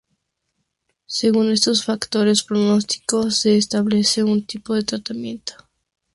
Según estos factores pronóstico se establece un tipo de tratamiento.